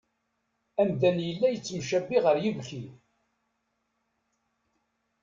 Amdan yella yettemcabi ɣer yibki.